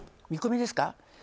見込みですか？